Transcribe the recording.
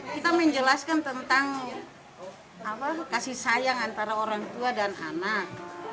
kita menjelaskan tentang kasih sayang antara orang tua dan anak